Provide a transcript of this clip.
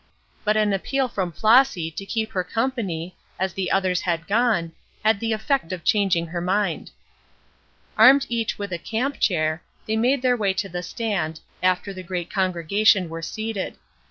But an appeal from Flossy to keep her company, as the others had gone, had the effect of changing her mind. Armed each with a camp chair, they made their way to the stand, after the great congregation were seated.